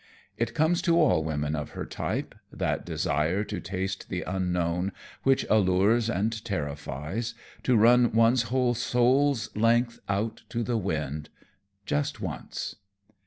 It comes to all women of her type that desire to taste the unknown which allures and terrifies, to run one's whole soul's length out to the wind just once.